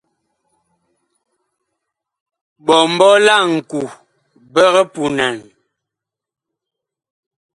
Ɓɔmbɔ la ŋku big punan.